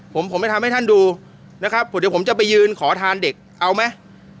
ผมผมไปทำให้ท่านดูนะครับเดี๋ยวผมจะไปยืนขอทานเด็กเอาไหม